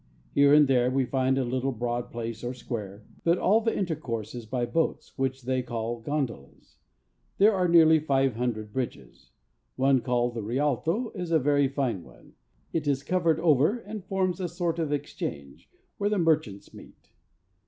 Here and there we find a little broad place or scptare; but all the inter¬ course is by boats, which they call gondolas. There are nearly 500 bridges ; one called the Rialto , is a very fine one ; it is covered over, and forms a sort of exchange, where the merchants meet.